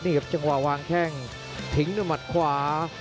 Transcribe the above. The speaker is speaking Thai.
นี่ก็จังหวะวางแข้งถิงด้วยมัดขวา